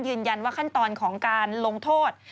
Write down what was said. ยืนยันว่าขั้นตอนของการลงโทษ